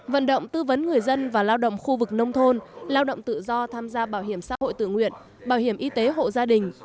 vận động tư vấn người dân và lao động khu vực nông thôn lao động tự do tham gia bảo hiểm xã hội tự nguyện bảo hiểm y tế hộ gia đình